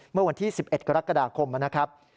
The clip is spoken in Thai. เมื่อวันที่๑๑กรกฎาคมนะครับ